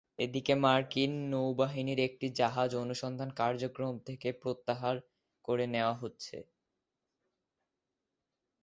এদিকে মার্কিন নৌবাহিনীর একটি জাহাজ অনুসন্ধান কার্যক্রম থেকে প্রত্যাহার করে নেওয়া হচ্ছে।